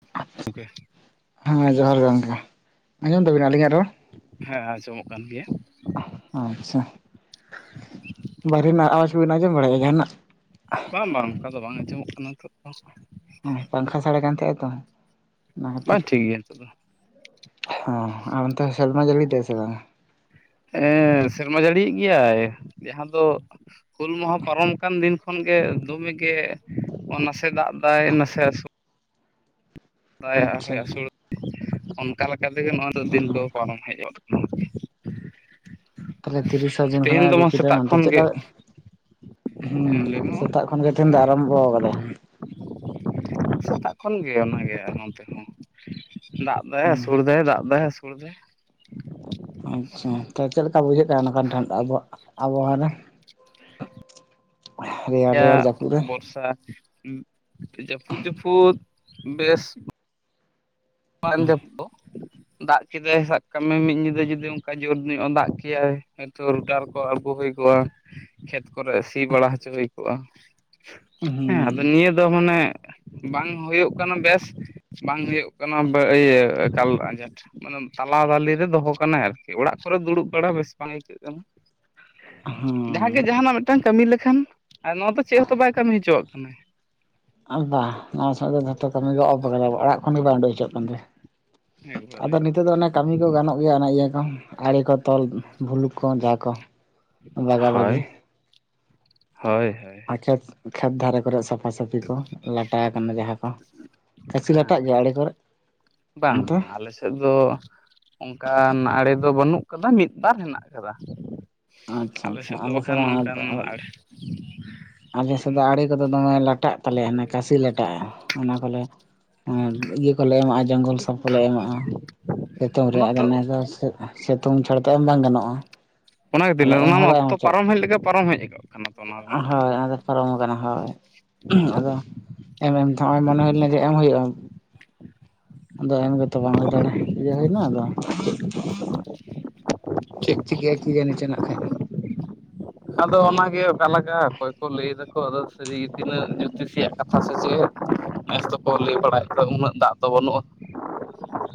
[unintelligible] ᱦᱮᱸ ᱡᱚᱦᱟᱨ ᱜᱮ ᱜᱚᱢᱠᱮ᱾ ᱟᱸᱡᱚᱢ ᱛᱟᱵᱤᱱ ᱟᱹᱞᱤᱧᱟᱜ ᱨᱚᱲ? ᱦᱮᱸ ᱟᱸᱡᱚᱢᱚᱜ ᱠᱟᱱ ᱜᱮᱭᱟ ᱾ ᱟᱪᱪᱷᱟ᱾ ᱵᱟᱨᱦᱮ ᱨᱮᱱᱟᱜ ᱟᱣᱟᱡᱽ ᱵᱮᱱ ᱟᱸᱡᱚᱢ ᱵᱟᱲᱟᱭᱮᱫᱼᱟ ᱡᱟᱦᱟᱸᱱᱟᱜ? ᱵᱟᱝ ᱵᱟᱝ, ᱚᱱᱠᱟ ᱫᱚ ᱵᱟᱝ ᱟᱸᱡᱚᱢᱚᱜ ᱠᱟᱱᱟ ᱛᱚ᱾ ᱱᱚᱼᱚᱭ ᱯᱟᱝᱠᱷᱟ ᱥᱟᱰᱮ ᱠᱟᱱ ᱛᱟᱦᱮᱸᱼᱟ ᱛᱚ ᱚᱱᱟ ᱠᱷᱟᱹᱛᱤᱨ ᱵᱟᱝ ᱴᱷᱤᱠ ᱜᱮᱭᱟ ᱱᱤᱛᱚᱜ ᱫᱚ ᱦᱟᱸ ᱟᱨ ᱚᱱᱛᱮ, ᱥᱮᱨᱢᱟ ᱡᱟᱹᱲᱤᱭ ᱮᱫᱟᱭ ᱥᱮ ᱵᱟᱝ? ᱦᱮᱸ, ᱥᱮᱨᱢᱟ ᱡᱟᱹᱲᱤᱭᱮᱫ ᱜᱮᱭᱟᱭ ᱡᱟᱦᱟᱸ ᱫᱚ ᱦᱩᱞ ᱢᱟᱦᱟᱸ ᱯᱟᱨᱚᱢ ᱟᱱᱟᱱ ᱫᱤᱱ ᱠᱷᱚᱱᱜᱮ, ᱫᱚᱢᱮ ᱜᱮ ᱱᱟᱥᱮ ᱫᱟᱜ ᱫᱟᱭ ᱱᱟᱥᱮ ᱟᱥᱳ ᱫᱟᱭ ᱟᱨ ᱟᱪᱪᱷᱟ ᱦᱚᱸ ᱟᱪᱪᱷᱟ ᱟᱥᱳᱲ, ᱚᱱᱠᱟ ᱞᱮᱠᱟ ᱛᱮᱜᱮ ᱱᱚᱣᱟ ᱫᱚ ᱫᱤᱱ ᱫᱚ ᱦᱩᱸ ᱯᱟᱨᱚᱢ ᱦᱮᱡ ᱟᱠᱟᱱᱟ ᱛᱟᱦᱚᱞᱮ ᱛᱤᱨᱤᱥᱟ ᱡᱩᱱ ᱛᱮᱦᱮᱧ ᱠᱷᱚᱱᱟᱜ ᱫᱚ ᱟᱹᱜᱩ ᱢᱟ ᱠᱮᱫᱟ, ᱥᱮᱛᱟᱜ ᱦᱟᱱᱛᱮ ᱠᱷᱚᱱ ᱜᱮ ᱪᱮᱫᱠᱟ ᱦᱩᱸ ᱞᱟᱹᱭ ᱢᱮ ᱥᱮᱛᱟᱜ ᱠᱷᱚᱱ ᱜᱮ ᱛᱤᱦᱤᱱ ᱫᱚ ᱟᱨᱟᱢᱵᱷᱚ ᱟᱠᱟᱫᱟᱭ᱾ ᱥᱮᱛᱟᱜ ᱠᱷᱚᱱ ᱜᱮ ᱚᱱᱟᱜᱮ ᱱᱚᱱᱛᱮᱦᱚᱸ ᱫᱟᱜ ᱫᱟᱜ ᱦᱩᱸ ᱟᱹᱥᱩᱲ ᱮᱫᱟ ᱫᱟᱜ ᱮᱫᱟ ᱟᱹᱥᱩᱲ ᱫᱟᱭ᱾ ᱟᱪᱪᱷᱟ ᱛᱚ ᱪᱮᱫ ᱞᱮᱠᱟ ᱵᱩᱡᱷᱟᱹᱜ ᱠᱟᱱᱟ, ᱱᱚᱝᱠᱟᱱ [unintelligible] ᱟᱵᱚᱣᱟᱜ ᱟᱵᱚᱣᱟᱜ ᱨᱮ? [inaudible] ᱨᱮᱭᱟᱲ ᱭᱟ ᱨᱮᱭᱟᱲ ᱡᱟᱹᱯᱩᱫ ᱨᱮ ᱵᱚᱨᱥᱟ ᱡᱟᱹᱯᱩᱫ ᱡᱟᱹᱯᱩᱫ, ᱵᱮᱥ [unintelligible] ᱫᱟᱜ ᱠᱮᱫᱟᱭ ᱥᱟᱵ ᱠᱟᱜ ᱢᱮ ᱢᱤᱫ ᱧᱤᱫᱟᱹ ᱡᱩᱫᱤ ᱚᱱᱠᱟ ᱡᱳᱨ ᱧᱚᱜ ᱫᱟᱜ ᱠᱮᱭᱟᱭ, ᱦᱚᱭᱛᱚ ᱨᱩᱴᱟᱨ ᱠᱚ ᱟᱹᱜᱩ ᱦᱩᱭ ᱠᱚᱼᱟ, ᱠᱷᱮᱛ ᱠᱚᱨᱮ ᱥᱤ ᱵᱟᱲᱟ ᱦᱚᱪᱚ ᱦᱩᱭ ᱠᱚᱜᱼᱟ᱾ ᱦᱮᱸ ᱟᱫᱚ ᱦᱩᱸ ᱱᱤᱭᱟᱹ ᱫᱚ ᱢᱟᱱᱮ, ᱵᱟᱝ ᱦᱩᱭᱩᱜ ᱠᱟᱱᱟ ᱵᱮᱥ ᱵᱟᱝ ᱦᱩᱭᱩᱜ ᱠᱟᱱᱟ ᱤᱭᱟᱹ ᱮᱠᱟᱞ ᱟᱸᱡᱷᱟᱴ᱾ ᱢᱟᱱᱮ ᱛᱟᱞᱟ ᱫᱟᱞᱤ ᱨᱮ ᱫᱚᱦᱚ ᱠᱟᱱᱟᱭ ᱟᱨᱠᱤ, ᱚᱲᱟᱜ ᱠᱚᱨᱮ ᱫᱩᱲᱩᱵ ᱵᱟᱲᱟ ᱵᱮᱥ ᱵᱟᱝ ᱟᱹᱭᱠᱟᱹᱜ ᱠᱟᱱᱟ᱾ ᱡᱟᱦᱟᱸ ᱜᱮ ᱦᱩᱸ ᱡᱟᱦᱟᱱᱟᱜ ᱢᱤᱫᱴᱟᱝ ᱠᱟᱹᱢᱤ ᱞᱮᱠᱷᱟᱱ, ᱱᱚᱣᱟ ᱫᱚ ᱪᱮᱫ ᱦᱚᱸᱛᱚ ᱵᱟᱭ ᱠᱟᱹᱢᱤ ᱦᱚᱪᱚᱼᱟᱜ ᱠᱟᱱᱟᱭ᱾ ᱟ ᱵᱟᱝ ᱱᱚᱣᱟ ᱥᱟᱜ ᱜᱮ ᱡᱚᱛᱚ ᱠᱟᱹᱢᱤ ᱜᱮ ᱚᱯ ᱠᱟᱫᱟ ᱾ᱚᱲᱟᱜ ᱠᱷᱚᱱ ᱜᱮ ᱵᱟᱝ ᱩᱰᱩᱠ ᱦᱚᱪᱚᱜ ᱠᱟᱱ ᱛᱮ᱾ ᱟᱫᱚ ᱮᱠᱵᱟᱨᱮ ᱱᱤᱛᱚᱜ ᱫᱚ ᱚᱱᱮ ᱠᱟᱹᱢᱤ ᱠᱚ ᱜᱟᱱᱚᱜ ᱜᱮᱭᱟ, ᱚᱱᱮ ᱤᱭᱟᱹ ᱠᱚ ᱟᱸᱲᱮ ᱠᱚ ᱛᱚᱞ ᱵᱷᱩᱞᱩᱠ ᱠᱚ ᱡᱟ ᱠᱚ ᱵᱟᱜᱟ ᱵᱟᱜᱤ᱾ ᱦᱳᱭ [unintelligible] ᱦᱳᱭ ᱦᱳᱭ ᱟᱪᱪᱷᱟ ᱠᱷᱮᱛ ᱫᱷᱟᱨᱮ ᱠᱚᱨᱮ ᱥᱟᱯᱷᱟ ᱥᱟᱹᱯᱷᱤ ᱠᱚ ᱞᱟᱸᱴᱟ ᱟᱠᱟᱱᱟ ᱡᱟᱦᱟᱸ ᱠᱚ᱾ ᱠᱟᱹᱥᱤ ᱦᱮᱸ ᱞᱟᱸᱴᱟᱜ ᱜᱮᱭᱟ ᱟᱲᱮ ᱠᱚᱨᱮ? ᱵᱟᱝ ᱚᱱᱛᱮ ᱵᱟᱝ ᱟᱞᱮ ᱥᱮᱫ ᱥᱮᱫ ᱫᱚ ᱚᱱᱠᱟᱱ ᱟᱲᱮ ᱫᱚ ᱵᱟᱹᱱᱩᱜ ᱠᱟᱫᱟ, ᱢᱤᱫᱵᱟᱨ ᱦᱮᱱᱟᱜ ᱟᱠᱟᱫᱟ᱾ ᱟᱞᱮ ᱥᱮᱫ ᱫᱚ ᱵᱟᱠᱷᱟᱱ ᱱᱚᱝᱠᱟᱱ ᱟᱲᱮ ᱟᱞᱮ ᱥᱮᱫ ᱫᱚ ᱟᱲᱮ ᱠᱚᱫᱚ ᱫᱚᱢᱮ ᱞᱟᱴᱟᱜ ᱛᱟᱞᱮᱭᱟ ᱱᱮᱠᱟ ᱥᱤ ᱞᱟᱴᱟᱜᱼᱟ᱾ ᱚᱱᱟ ᱠᱚᱞᱮ ᱟᱨ ᱤᱭᱟᱹ ᱠᱚᱞᱮ ᱮᱢᱟᱜᱼᱟ ᱡᱚᱝᱜᱚᱞ ᱥᱟᱯ ᱠᱚᱞᱮ ᱮᱢᱟᱜᱼᱟ, ᱥᱤᱛᱩᱝ ᱨᱮ ᱚᱱᱟ ᱟᱫᱚ ᱛᱚ ᱱᱮᱥ ᱫᱚ ᱥᱤᱛᱩᱝ ᱪᱷᱟᱲ ᱛᱟᱭᱚᱢ ᱵᱟᱝ ᱜᱟᱱᱚᱜᱼᱟ᱾ ᱚᱱᱟ ᱜᱮᱛᱚ ᱛᱟᱦᱚᱞᱮ [unintelligible] ᱮᱢ ᱚᱱᱟ ᱦᱚᱸ ᱢᱟ ᱵᱟᱭ ᱮᱢ ᱚᱠᱛᱚ ᱦᱚᱪᱚᱜ ᱯᱟᱨᱚᱢ ᱦᱮᱡ ᱞᱮᱠᱟ ᱯᱟᱨᱚᱢ ᱦᱮᱡ ᱠᱟᱱᱟ᱾ ᱛᱚ ᱚᱱᱟ ᱨᱮᱱᱟᱜ ᱫᱚ ᱦᱳᱭ ᱚᱱᱟᱫᱚ ᱯᱟᱨᱚᱢ ᱠᱟᱱᱟ ᱦᱳᱭ᱾ ᱟᱫᱚ ᱮᱢ ᱮᱢ ᱛᱮᱦᱚᱸ ᱱᱚᱜᱼᱚᱭ ᱢᱚᱱᱮ ᱦᱩᱭ ᱞᱮᱱᱟ ᱡᱮ ᱮᱢ ᱦᱩᱭᱩᱜᱼᱟ᱾ ᱟᱫᱚ ᱮᱢ ᱜᱮᱛᱚ ᱵᱟᱝ ᱦᱩᱭ ᱫᱟᱲᱮᱭᱟᱜᱼᱟ, ᱤᱭᱟᱹ ᱦᱩᱭᱱᱟ ᱟᱫᱚ᱾ ᱪᱮᱫ ᱴᱷᱤᱠ, ᱪᱤᱠᱟᱹᱜᱼᱟ ᱠᱤ ᱡᱟᱹᱱᱤ ᱪᱚ ᱱᱟᱜ ᱠᱷᱟᱡ ᱟᱫᱚ ᱚᱱᱟᱜᱮ ᱚᱠᱟ ᱞᱟᱜᱟᱜᱼᱟ ᱚᱠᱚᱭ ᱠᱚ ᱞᱟᱹᱭ ᱫᱟᱠᱚ ᱟᱫᱚ ᱥᱟᱹᱨᱤᱜᱮ ᱛᱤᱱᱟᱹᱜ ᱡᱳᱛᱤᱥᱤᱭ ᱨᱮᱭᱟᱜ ᱠᱟᱛᱷᱟ ᱥᱮ ᱪᱮᱫ, ᱱᱮᱥ ᱫᱚᱠᱚ ᱞᱟᱹᱭ ᱵᱟᱲᱟᱭᱮᱫ ᱠᱚ ᱩᱱᱟᱹᱜ ᱫᱟᱜ ᱫᱚ ᱵᱟᱹᱱᱩᱜᱼᱟ᱾ [inaudible]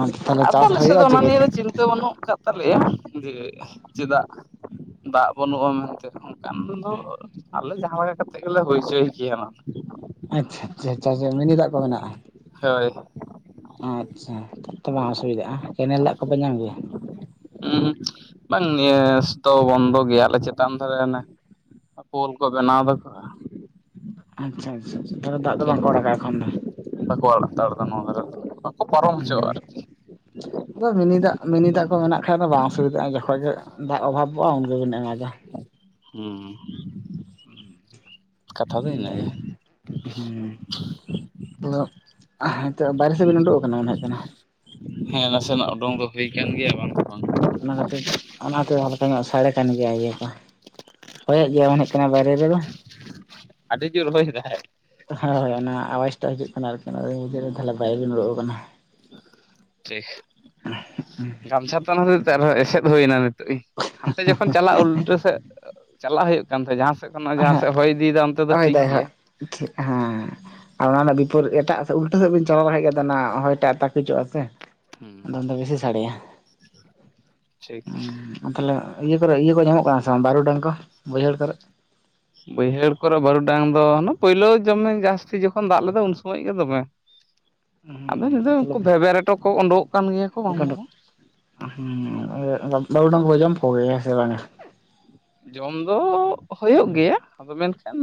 ᱚ ᱛᱟᱦᱚᱞᱮ ᱪᱟᱥ ᱦᱩᱭᱩᱜᱼᱟ ᱪᱤᱠᱟᱹᱛᱮ? ᱛᱚ ᱵᱟᱹᱱᱩᱜ ᱟᱠᱟᱫ ᱛᱟᱞᱮᱭᱟ ᱡᱮ ᱪᱮᱫᱟᱜ ᱫᱟᱜ ᱵᱟᱹᱱᱩᱜᱼᱟ ᱢᱮᱱᱛᱮ ᱦᱚᱸ ᱠᱷᱟᱱ ᱫᱚ ᱟᱞᱮ ᱡᱟᱦᱟᱸ ᱞᱮᱠᱟ ᱠᱟᱛᱮᱜ ᱜᱮᱞᱮ ᱦᱩᱭ ᱦᱚᱪᱚᱭ ᱜᱮᱭᱟᱱᱟᱜ᱾ ᱟᱪᱪᱷᱟ ᱟᱪᱷᱟ, ᱢᱤᱱᱤ ᱫᱟᱜ ᱠᱚ ᱢᱮᱱᱟᱜᱼᱟ? ᱦᱳᱭ, ᱟᱪᱪᱷᱟ ᱛᱚ ᱵᱟᱝ ᱚᱥᱩᱵᱤᱫᱟᱜᱼᱟ ᱾ ᱠᱮᱱᱮᱞ ᱫᱟᱜ ᱠᱚᱯᱮ ᱧᱟᱢ ᱜᱮᱭᱟ? ᱩᱸ ᱵᱟᱝ ᱱᱮᱥ ᱫᱚ ᱵᱚᱱᱫᱚ ᱜᱮᱭᱟᱞᱮ ᱪᱮᱛᱟᱱ ᱫᱷᱟᱨᱮ ᱚᱱᱮ ᱯᱳᱞ ᱠᱚ ᱵᱮᱱᱟᱣ ᱫᱟᱠᱚ᱾ ᱟᱪᱪᱷᱟ ᱟᱪᱷᱟᱷᱟ ᱾ ᱮᱠᱷᱟᱱ ᱵᱟᱠᱚ ᱟᱲᱟᱜᱼᱫᱟ ᱱᱚᱣᱟ ᱵᱟᱠᱚ ᱯᱟᱨᱚᱢ ᱦᱚᱪᱚᱼᱟ ᱦᱩᱸ ᱟᱨᱠᱤ᱾ [inaudible] ᱟᱫᱚ ᱢᱤᱱᱤ ᱫᱟᱜ ᱢᱤᱱᱤ ᱫᱟᱜ ᱠᱚ ᱢᱮᱱᱟᱜ ᱠᱷᱟ ᱫᱚ ᱵᱟᱝ ᱥᱩᱵᱤᱫᱟᱜᱼᱟ, ᱡᱚᱠᱷᱚᱪ ᱜᱮ ᱫᱟᱜ ᱚᱵᱷᱟᱵᱚᱜᱼᱟ ᱩᱱᱜᱮᱵᱤᱱ ᱮᱢᱟᱫᱟ᱾ ᱦᱩᱸ, ᱠᱟᱛᱷᱟ ᱫᱚ ᱦᱩᱸ ᱤᱱᱟᱹ ᱜᱮ᱾ ᱦᱮᱞᱳ, ᱦᱤᱛᱳᱜ ᱵᱟᱭᱨᱮ ᱥᱮᱫ ᱵᱮᱱ ᱩᱰᱩᱜ ᱟᱠᱟᱱᱟ ᱢᱚᱱᱮ ᱦᱩᱭᱩᱜ ᱠᱟᱱᱟ? ᱦᱮᱸ ᱱᱟᱥᱮᱱᱟᱜ ᱩᱰᱩᱝ ᱫᱚ ᱦᱩᱭ ᱠᱟᱱ ᱜᱮᱭᱟ ᱵᱟᱝ ᱵᱟᱝ ᱦᱮᱸ ᱚᱱᱟ ᱠᱷᱟᱹᱛᱤᱨ ᱚᱱᱟᱛᱮ ᱦᱟᱞᱠᱟ ᱧᱚᱜ ᱥᱟᱰᱮ ᱠᱟᱱ ᱜᱮᱭᱟ ᱤᱭᱟᱹ ᱠᱚ, ᱦᱚᱭᱮᱫ ᱜᱮᱭᱟ ᱢᱚᱱᱮ ᱦᱩᱭᱩᱜ ᱠᱟᱱᱟ ᱵᱟᱭᱨᱮ ᱨᱮᱫᱚ ᱾ ᱟᱹᱰᱤ ᱡᱳᱨ ᱦᱚᱭᱮᱫᱟᱭ ᱾ ᱦᱚᱭ ᱚᱱᱟ ᱟᱣᱟᱡᱽᱴᱟᱜ ᱦᱤᱡᱩᱜ ᱠᱟᱱᱟ ᱟᱨᱠᱤ ᱚᱱᱟ ᱵᱷᱤᱛᱤᱨ ᱨᱮ ᱛᱟᱦᱞᱮ ᱵᱟᱭᱨᱮ ᱵᱤᱱ ᱩᱰᱩᱝ ᱟᱠᱟᱱᱟ᱾ ᱴᱷᱤᱡ, ᱜᱟᱢᱪᱷᱟ ᱛᱮ ᱚᱱᱟᱛᱮ ᱟᱨᱦᱚᱸ ᱮᱥᱮᱫ ᱦᱩᱭᱱᱟ ᱱᱤᱛ᱾ ᱦᱟᱱᱛᱮ ᱡᱚᱠᱷᱚᱱ ᱪᱟᱞᱟᱜ ᱩᱞᱴᱟᱹ ᱥᱮᱫ ᱪᱟᱞᱟᱜ ᱦᱩᱭᱩᱜ ᱠᱟᱱ ᱛᱟᱦᱮᱸᱫ ᱡᱟᱦᱟᱸ ᱡᱟᱦᱟᱸᱥᱮᱫ ᱦᱚᱭ ᱤᱫᱤᱭᱟ ᱱᱚᱛᱮ ᱠᱷᱚᱱᱚᱱᱟᱜ ᱡᱟᱦᱟᱸ ᱥᱮᱫ ᱦᱚᱭ ᱤᱫᱤᱭᱮᱫᱟ ᱚᱱᱛᱮ ᱫᱚ ᱴᱷᱤᱠ ᱜᱮᱭᱟ᱾ ᱴᱷ ᱦᱮᱸ ᱟᱨ ᱚᱱᱟ ᱨᱮᱱᱟᱜ ᱵᱤᱯᱚᱫ ᱮᱴᱟᱜ ᱩᱞᱴᱟᱹ ᱥᱮᱫ ᱵᱮᱱ ᱪᱟᱞᱟᱣ ᱫᱟᱲᱮ ᱜᱮᱫᱟ ᱚᱱᱟ ᱦᱚᱭᱴᱟᱜ ᱮᱴᱟᱜ ᱦᱮᱡᱚᱜᱼᱟ ᱥᱮ, ᱟᱫᱚ ᱦᱩᱸ ᱩᱱᱤᱫᱚ ᱵᱮᱥᱤ ᱥᱟᱰᱮᱭᱟ᱾ ᱴᱷᱤᱠ ᱛᱟᱦᱚᱞᱮ ᱤᱭᱟᱹ ᱠᱚᱨᱮ ᱤᱭᱟᱹ ᱠᱚ ᱧᱟᱢᱚᱜ ᱠᱟᱱᱟ ᱥᱮ ᱵᱟᱝ ᱵᱟᱨᱩᱰᱟᱝ ᱠᱚ ᱵᱟᱹᱭᱦᱟᱹᱲ ᱠᱚᱨᱮ᱾ [inaudible] ᱵᱟᱹᱭᱦᱟᱹᱲ ᱠᱚᱨᱮ ᱵᱟᱹᱨᱩᱰᱟᱝ ᱫᱚ ᱯᱳᱭᱞᱳ ᱡᱚᱢᱮ ᱡᱟᱹᱥᱛᱤ ᱡᱚᱠᱷᱚᱱ ᱫᱟᱜ ᱞᱮᱫᱟ ᱩᱱ ᱥᱚᱢᱚᱭ ᱜᱮ ᱫᱚᱢᱮ᱾ ᱟᱫᱚ ᱦᱩᱸ ᱱᱤᱛᱚᱜ ᱩᱱᱠᱩ ᱛᱟᱦᱚᱞᱮ ᱵᱷᱮᱵᱮ ᱨᱮᱴᱚ ᱠᱚ, ᱩᱰᱩᱝ ᱠᱚ ᱠᱟᱱ ᱜᱮᱭᱟ ᱠᱚ ᱵᱟᱝ ᱫᱚ ᱵᱟᱝ ᱾ ᱦᱮᱸ ᱟᱫᱚ ᱵᱟᱨᱩᱜᱰᱟᱝ ᱠᱚ ᱡᱚᱢ ᱠᱚᱜᱮᱭᱟ ᱥᱮ ᱵᱟᱝᱜᱼᱟ? ᱡᱚᱢ ᱫᱚ ᱦᱩᱭᱩᱜ ᱜᱮᱭᱟ, ᱟᱫᱚ ᱢᱮᱱ ᱠᱷᱟᱱ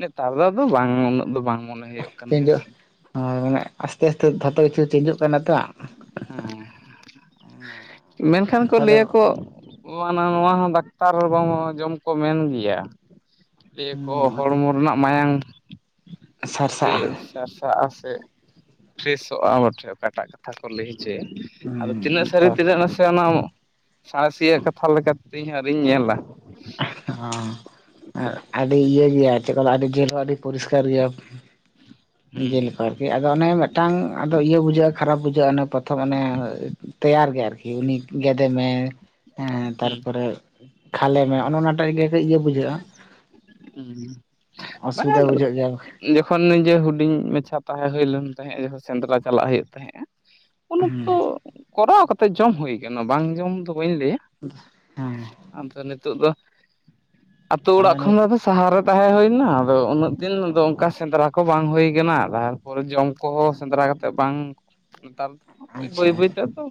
ᱱᱮᱛᱟᱨ ᱫᱚ ᱟᱫᱚ ᱵᱟᱝ ᱩᱱᱟᱹᱜ ᱫᱚ ᱵᱟᱝ ᱢᱚᱱᱮ ᱦᱩᱭᱩᱜ ᱠᱟᱱᱟ ᱛᱮᱦᱮᱧ ᱦᱮᱸ ᱫᱚ ᱥᱮ᱾ ᱦᱳᱭ ᱢᱟᱱᱮ ᱟᱥᱛᱮ ᱟᱥᱛᱮ ᱫᱷᱚᱛᱩ ᱠᱤᱪᱷᱩ ᱪᱮᱸᱡᱩᱜ ᱠᱟᱱᱟ ᱛᱚ ᱾ ᱦᱮᱸ ᱢᱮᱱᱠᱷᱟᱱ ᱠᱚ ᱟᱫᱚ ᱞᱟᱹᱭᱟ ᱠᱚ ᱚ ᱦᱟᱱᱟ ᱱᱚᱣᱟ ᱦᱚᱸ ᱰᱟᱠᱛᱟᱨ ᱵᱟᱝ ᱡᱚᱢ ᱠᱚ ᱢᱮᱱ ᱜᱮᱭᱟ ᱾ ᱞᱟᱹᱭᱟ ᱠᱚ ᱦᱩᱸ ᱟᱹᱰᱤ ᱦᱚᱲᱢᱚ ᱨᱮᱱᱟᱜ ᱢᱟᱭᱟᱝ ᱵᱷᱟᱜᱮ ᱥᱟᱨᱥᱟᱜᱼᱟ ᱥᱟᱨᱥᱟᱜᱼᱟ ᱥᱮ ᱯᱷᱨᱮᱥᱚᱜᱼᱟ ᱵᱚᱴᱷᱮ ᱚᱠᱟᱴᱟᱜ ᱠᱟᱛᱷᱟ ᱠᱚ ᱞᱟᱹᱭ ᱦᱚᱪᱚᱭᱟ ᱾ ᱦᱩᱸ ᱟᱫᱚ ᱛᱤᱱᱟᱹᱜ ᱥᱟᱹᱨᱤ ᱛᱟᱨ ᱛᱤᱱᱟᱹᱜ ᱱᱟᱥᱮ ᱚᱱᱟ ᱥᱟᱬᱮᱥᱤᱭᱟᱹᱟᱜ ᱠᱟᱛᱷᱟ ᱞᱮᱠᱟᱛᱮ ᱤᱧᱦᱚᱸ ᱟᱣᱨᱤᱧ ᱧᱮᱞᱟ ᱾ ᱦᱚᱸ ᱟᱨ ᱟᱹᱰᱤ ᱤᱭᱟᱹ ᱜᱮᱭᱟ ᱪᱮᱫ ᱞᱟᱹᱭᱟ ᱟᱹᱰᱤ ᱡᱮᱞ ᱦᱚᱸ ᱟᱹᱰᱤ ᱯᱚᱨᱤᱥᱠᱟᱨ ᱜᱮᱭᱟ᱾ ᱦᱩᱸ ᱡᱮᱞᱮᱠᱟ ᱟᱨᱠᱤ ᱟᱫᱚ ᱚᱱᱮ ᱢᱤᱫᱴᱟᱝ ᱤᱭᱟᱹ ᱵᱩᱡᱷᱟᱹᱜᱼᱟ ᱠᱷᱟᱨᱟᱯ ᱵᱩᱡᱷᱟᱹᱜᱼᱟ ᱚᱱᱮ ᱯᱨᱚᱛᱷᱚᱢ ᱚᱱᱮ ᱛᱮᱭᱟᱨ ᱜᱮ ᱟᱨᱠᱤ ᱩᱱᱤ ᱜᱮᱫᱮᱢᱮ ᱦᱮᱸ ᱦᱩᱸ ᱛᱟᱨᱯᱚᱨᱮ ᱠᱷᱟᱞᱮ ᱢᱮ ᱚᱱᱮ ᱚᱱᱟᱴᱟᱜ ᱜᱮ ᱠᱟᱹᱡ ᱤᱭᱟᱹ ᱵᱩᱡᱷᱟᱹᱜᱼᱟ ᱾ ᱦᱩᱸ ᱦᱩᱸ ᱚᱥᱩᱵᱤᱫᱟ ᱵᱩᱡᱷᱟᱹᱜ ᱜᱮᱭᱟ ᱾ ᱡᱚᱠᱷᱚᱱ ᱱᱤᱡᱮ ᱦᱩᱰᱤᱧ ᱢᱟᱪᱷᱟ ᱛᱟᱦᱮᱸ ᱦᱳᱭ ᱞᱮᱱ ᱛᱟᱦᱮᱸᱜ ᱡᱚᱠᱷᱚᱱ ᱥᱮᱸᱫᱽᱨᱟ ᱪᱟᱞᱟᱜ ᱦᱩᱭᱩᱜ ᱛᱟᱦᱮᱸᱜᱼᱟ ᱩᱱ ᱚᱠᱛᱚ ᱦᱮᱸ ᱠᱚᱨᱟᱣ ᱠᱟᱛᱮ ᱡᱚᱢ ᱦᱩᱭᱩᱭᱟ ᱠᱟᱱᱟ ᱵᱟᱝ ᱡᱚᱢ ᱫᱚ ᱵᱟᱹᱧ ᱞᱟᱹᱭᱟ ᱾ ᱦᱮᱸ ᱟᱫᱚ ᱱᱤᱛᱳᱜ ᱫᱚ ᱟᱹᱛᱩᱳ ᱚᱲᱟᱜ ᱠᱷᱚᱱ ᱫᱚ ᱟᱫᱚ ᱥᱟᱦᱟᱨᱮ ᱛᱟᱦᱮᱸ ᱦᱩᱭᱱᱟ ᱟᱫᱚ ᱩᱱᱟᱹᱜ ᱫᱤᱱ ᱟᱫᱚ ᱚᱱᱠᱟ ᱥᱮᱸᱫᱽᱨᱟ ᱠᱚ ᱵᱟᱝ ᱦᱩᱭ ᱠᱟᱱᱟ ᱛᱟᱦᱚᱞ ᱛᱟᱨᱯᱚᱨᱮ ᱡᱚᱢ ᱠᱚᱦᱚᱸ ᱥᱮᱸᱫᱽᱨᱟ ᱠᱟᱛᱮᱫ ᱵᱟᱝ ᱱᱮᱛᱟᱨ ᱫᱚ ᱟᱪᱪᱷᱟ ᱵᱟᱹᱭ ᱵᱟᱹᱭ ᱛᱮ ᱟᱫᱚ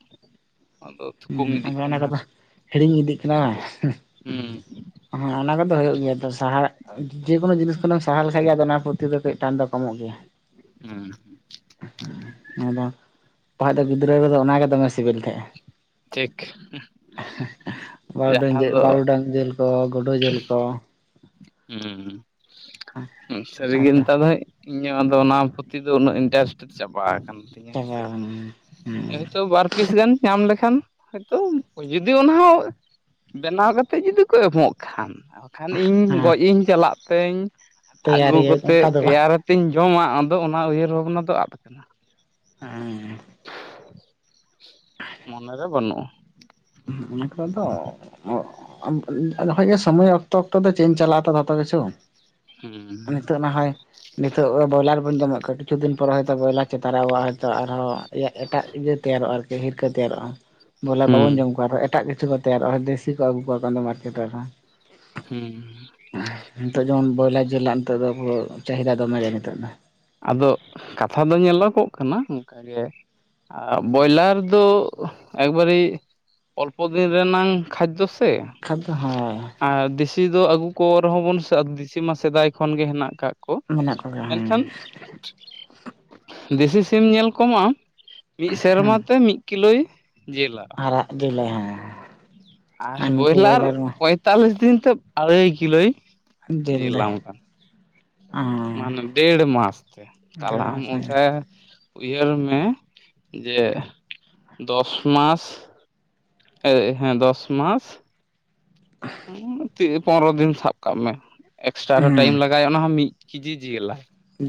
ᱟᱫᱚ ᱛᱷᱩᱠᱚᱢ ᱦᱮᱸ ᱤᱫᱤᱜ ᱟᱫᱚ ᱚᱱᱟ ᱠᱟᱱᱟ ᱠᱚᱫᱚ ᱦᱤᱲᱤᱧ ᱤᱫᱤᱜ ᱠᱟᱱᱟ ᱦᱩᱸ ᱾ ᱦᱮᱸ ᱟᱱᱟ ᱠᱚᱫᱚ ᱦᱩᱭᱜ ᱜᱮᱭᱟ ᱛᱚ ᱥᱟᱦᱟᱨ ᱡᱮ ᱠᱳᱱᱳ ᱡᱤᱱᱤᱥ ᱠᱷᱚᱱᱮᱢ ᱥᱟᱦᱟ ᱞᱮᱠᱷᱟᱱ ᱜᱮ ᱟᱫᱚ ᱚᱱᱟ ᱯᱨᱚᱛᱤ ᱫᱚ ᱠᱟᱹᱡ ᱴᱟᱱ ᱫᱚ ᱠᱚᱢᱚᱜ ᱜᱮᱭᱟ᱾ ᱦᱩᱸ ᱟᱫᱚ [unintelligible] ᱫᱚ ᱜᱤᱫᱽᱨᱟᱹ ᱨᱮᱫᱚ ᱚᱱᱟᱜᱮ ᱫᱚᱢᱮ ᱥᱤᱵᱤᱞ ᱛᱟᱦᱮᱸᱜᱼᱟ ᱾ [unintelligible] ᱦᱮᱸ ᱵᱟᱨᱩᱰᱟᱝ ᱡᱟᱦᱟᱸ ᱡᱮᱞ ᱫᱚ ᱵᱟᱨᱩᱰᱟᱝ ᱡᱮᱞ ᱠᱚ ᱜᱳᱰᱳ ᱡᱮᱞ ᱠᱚ ᱦᱩᱸ ᱥᱟᱹᱨᱜᱮ ᱟᱫᱚ ᱪᱟᱵᱟ ᱱᱤᱛᱚᱜ ᱫᱦᱟᱹᱵᱤᱡ ᱤᱧᱟᱹᱜ ᱫᱚ ᱚᱱᱟ ᱯᱩᱛᱷᱤ ᱫᱚ ᱩᱱᱟᱹᱜ ᱤᱱᱴᱟᱨᱮᱥᱴᱮᱰ ᱪᱟᱵᱟ ᱟᱠᱟᱱᱟ ᱾ ᱠᱟᱱ ᱛᱤᱧᱟᱹ ᱦᱮᱸᱥᱮ ᱠᱟᱱᱟ᱾ ᱮᱸ ᱦᱚᱭᱛᱚ ᱵᱟᱨ ᱯᱤᱥ ᱜᱟᱱ ᱧᱟᱢ ᱞᱮᱠᱷᱟᱱ ᱦᱚᱭᱛᱳ ᱡᱩᱫᱤ ᱚᱱᱟ ᱦᱚᱸ ᱵᱮᱱᱟᱣ ᱠᱟᱛᱮ ᱡᱩᱫᱤ ᱠᱚ ᱮᱢᱚᱜ ᱠᱷᱟᱱ ᱵᱟᱠᱷᱟᱱ ᱤᱧ ᱦᱮᱸ ᱜᱚᱡ ᱤᱧ ᱪᱟᱞᱟᱜ ᱛᱮᱧ ᱟᱹᱜᱩ ᱛᱮᱭᱟᱨᱤᱭᱟᱹᱧ ᱠᱟᱛᱮ ᱚᱱᱠᱟ ᱫᱚ ᱵᱟᱝ ᱛᱮᱭᱟᱨ ᱟᱛᱤᱧ ᱡᱚᱢᱟ ᱟᱫᱚ ᱚᱱᱟ ᱩᱭᱦᱟᱹᱨ ᱵᱷᱟᱵᱽᱱᱟ ᱫᱚ ᱟᱫ ᱟᱠᱟᱱᱟ ᱾ ᱦᱮᱸ ᱢᱚᱱᱮᱨᱮ ᱵᱟᱹᱱᱩᱜᱼᱟ ᱾ ᱚᱱᱠᱟ ᱫᱚ ᱟᱫᱚ ᱠᱷᱟᱡᱜᱮ ᱜᱮ ᱥᱚᱢᱚᱭ ᱚᱠᱛᱚ ᱚᱠᱛᱚ ᱫᱚ [inaudible] ᱪᱟᱞᱟᱜᱼᱟ ᱛᱚ ᱡᱚᱛᱚ ᱠᱤᱪᱷᱩ, ᱦᱩᱸ ᱱᱤᱛᱳᱜ ᱱᱟ ᱦᱚᱭ ᱱᱤᱛᱳᱜ ᱫᱚ ᱵᱚᱭᱞᱟᱨ ᱵᱚᱱ ᱡᱚᱢᱮᱫ ᱠᱚᱣᱟ ᱠᱤᱪᱷᱩ ᱫᱤᱱ ᱯᱚᱨᱮ ᱦᱚᱭᱛᱳ ᱵᱚᱭᱞᱟᱨ ᱪᱮᱛᱟᱨ ᱟᱵᱚ ᱦᱚᱭᱛᱚ ᱟᱨᱦᱚᱸ ᱮᱴᱟᱜ ᱤᱭᱟᱹ ᱛᱮᱭᱟᱨᱚᱜᱼᱟ ᱟᱨᱠᱤ ᱦᱤᱨᱠᱟᱹ ᱛᱮᱭᱟᱨᱚᱜᱼᱟ ᱵᱚᱞᱮ ᱦᱩᱸ ᱵᱟᱵᱚᱱ ᱡᱚᱢ ᱠᱚᱣᱟ ᱟᱨᱦᱚ ᱮᱴᱟᱜ ᱠᱤᱪᱷᱩ ᱠᱚ ᱛᱮᱭᱟᱨᱚᱜᱼᱟ ᱫᱮᱥᱤ ᱠᱚ ᱟᱹᱜᱩ ᱠᱚᱣᱟ ᱛᱟᱭᱚᱢ ᱫᱚ ᱢᱟᱨᱠᱮᱴ ᱨᱮ ᱟᱨᱦᱚᱸ, ᱦᱩᱸ ᱱᱤᱛᱚᱜ ᱡᱮᱢᱚᱱ ᱵᱚᱭᱞᱟᱨ ᱡᱤᱞᱟᱜ ᱱᱤᱛᱚᱜ ᱫᱚ ᱯᱩᱨᱟᱹ ᱪᱟᱦᱤᱫᱟ ᱫᱚᱢᱮ ᱜᱮ ᱱᱤᱛᱚᱜ ᱫᱚ ᱾ ᱟᱫᱚ ᱠᱟᱛᱷᱟ ᱫᱚ ᱧᱮᱞᱚᱜᱚᱜ ᱠᱟᱱᱟ ᱚᱱᱠᱟᱜᱮ ᱟ ᱵᱚᱭᱞᱟᱨ ᱫᱚ ᱮᱠᱵᱟᱨᱮ ᱚᱞᱯᱚ ᱫᱤᱱ ᱨᱮᱱᱟᱝ ᱠᱷᱟᱡᱽᱫᱚ ᱥᱮ ᱠᱷᱟᱡᱽᱫᱚ ᱦᱮᱸ ᱟᱨ ᱫᱮᱥᱤ ᱫᱚ ᱟᱹᱜᱩ ᱠᱚ ᱨᱮᱦᱚᱸ ᱵᱚᱱ ᱥᱮ ᱟᱫᱚ ᱫᱮᱥᱤ ᱢᱟ ᱥᱮᱫᱟᱭ ᱠᱷᱚᱱᱜᱮ ᱦᱮᱱᱟᱜ ᱟᱠᱟᱫ ᱠᱚ ᱢᱮᱱᱟᱜ ᱠᱚᱜᱮᱭᱟ ᱦᱮᱸ ᱢᱮᱱᱠᱷᱟᱱ ᱫᱮᱥᱤ ᱥᱤᱢ ᱧᱮᱞ ᱠᱚᱢ ᱟᱢ ᱢᱤᱫ ᱥᱮᱨᱢᱟ ᱛᱮ ᱢᱤᱫ -ᱤᱞᱚᱭ ᱡᱮᱞᱟ ᱟᱨᱟᱜ ᱡᱤᱞᱮ ᱦᱮᱸ ᱟᱨ ᱵᱚᱭᱞᱟᱨ ᱯᱚᱸᱭ ᱛᱟᱞᱤᱥ ᱫᱤᱱ ᱛᱮ ᱟᱲᱟᱹᱭ ᱠᱤᱞᱳᱭ ᱡᱤᱞ ᱞᱮ ᱡᱤᱞᱟᱢ ᱠᱟᱱ ᱦᱮᱸ ᱢᱟᱱᱮ ᱰᱮᱲ ᱢᱟᱥ ᱛᱮ ᱛᱟᱞᱦᱮ ᱫᱟᱹᱲ ᱟᱢ ᱢᱮᱥᱟᱭ ᱚᱱᱛᱮ ᱩᱭᱦᱟᱹᱨ ᱢᱮ ᱡᱮ ᱫᱚᱥ ᱢᱟᱥ ᱮ ᱦᱮᱸ ᱫᱚᱥ ᱢᱟᱥ [inaudible] ᱦᱚᱸ ᱯᱚᱱᱨᱚ ᱫᱤᱱ ᱥᱟᱵ ᱠᱟᱜ ᱢᱮ ᱮᱠᱥᱴᱨᱟ ᱨᱮ ᱴᱟᱭᱤᱢ ᱦᱮᱸ ᱞᱟᱜᱟᱭ ᱚᱱᱟ ᱦᱚᱸ ᱢᱤᱫ ᱠᱮᱡᱤ ᱡᱤᱞᱟ